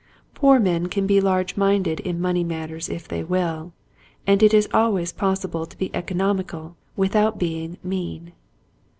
Poor men can be large minded in money matters if they will, and it is always pos sible to be economical without being mean.